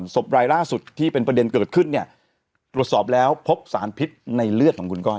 ศพรายล่าสุดที่เป็นประเด็นเกิดขึ้นเนี่ยตรวจสอบแล้วพบสารพิษในเลือดของคุณก้อย